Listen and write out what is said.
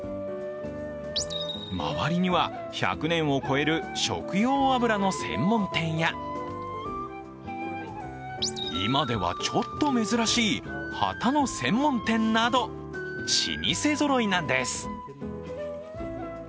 周りには、１００年を超える食用油の専門店や今ではちょっと珍しい旗の専門店など老舗ぞろいなんです。